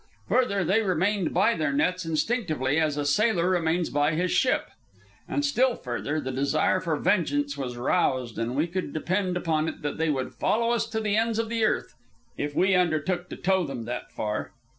Further, they remained by their nets instinctively, as a sailor remains by his ship. And still further, the desire for vengeance was roused, and we could depend upon it that they would follow us to the ends of the earth, if we undertook to tow them that far.